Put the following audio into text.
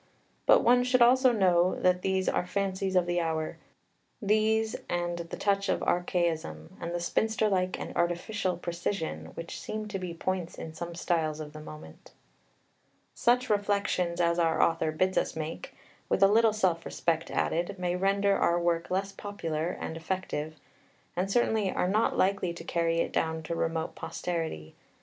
But one should also know that these are fancies of the hour these and the touch of archaism, and the spinster like and artificial precision, which seem to be points in some styles of the moment. Such reflections as our author bids us make, with a little self respect added, may render our work less popular and effective, and certainly are not likely to carry it down to remote posterity.